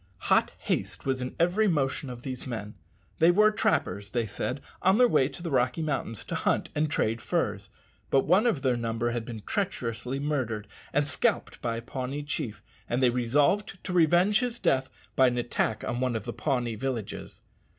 Hot haste was in every motion of these men. They were trappers, they said, on their way to the Rocky Mountains to hunt and trade furs. But one of their number had been treacherously murdered and scalped by a Pawnee chief, and they resolved to revenge his death by an attack on one of the Pawnee villages.